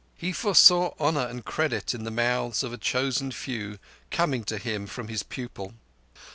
He foresaw honour and credit in the mouths of a chosen few, coming to him from his pupil.